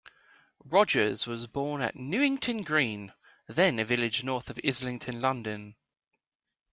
Rogers was born at Newington Green, then a village north of Islington, London.